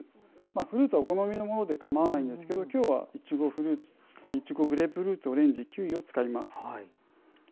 フルーツはお好みのものでかまわないんですけど今日はいちごグレープフルーツオレンジキウイを使います。